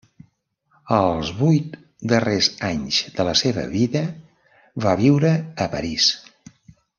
Els vuit darrers anys de la seva vida va viure a París.